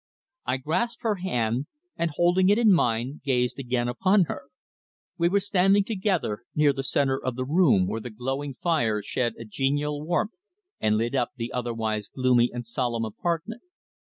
I grasped her hand, and holding it in mine gazed again upon her. We were standing together near the centre of the room where the glowing fire shed a genial warmth and lit up the otherwise gloomy and solemn apartment.